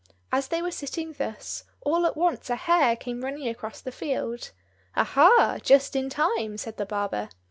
As they were sitting thus, all at once a hare came running across the field. "Ah, ha, just in time!" said the barber.